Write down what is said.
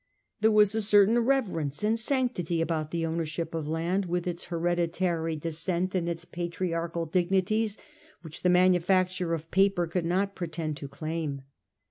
There was a certain reverence and sanctity about the ownership of land, with its hereditary 328 A HISTORY OF OUR OWN TIMES. on. xiv. descent and its patriarchal dignities, which the manu facture of paper could not pretend to claim.